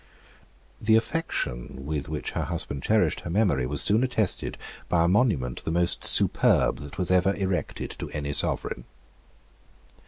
The affection with which her husband cherished her memory was soon attested by a monument the most superb that was ever erected to any sovereign.